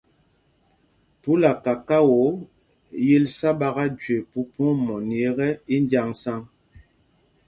Phúla kakao, yǐl sá ɓaka jüe Mpumpong mɔní ekɛ, í njǎŋsaŋ.